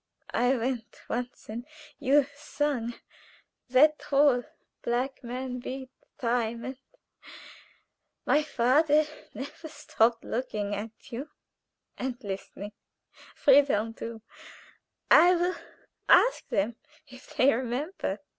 I went once, and you sung. That tall black man beat time, and my father never stopped looking at you and listening Friedel too. I will ask them if they remember."